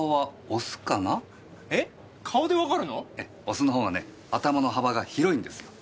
オスのほうがね頭の幅が広いんですよ。